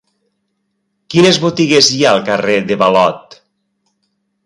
Quines botigues hi ha al carrer de Ballot?